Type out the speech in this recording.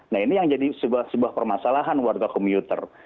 nah ini yang jadi sebuah permasalahan warga komuter